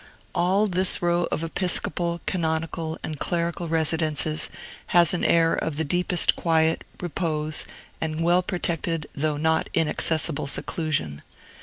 All this row of episcopal, canonical, and clerical residences has an air of the deepest quiet, repose, and well protected though not inaccessible seclusion.